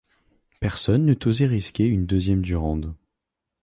Personne n’eût osé risquer une deuxième Durande.